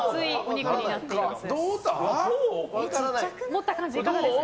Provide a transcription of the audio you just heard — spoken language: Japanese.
持った感じ、いかがですか。